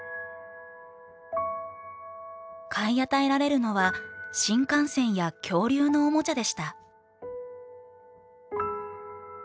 買い与えられるのは新幹線や恐竜のおもちゃでした。